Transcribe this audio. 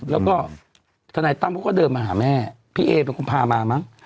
แล้วก็ทนายตั้มเขาก็เดินมาหาแม่พี่เอเป็นคนพามามั้ง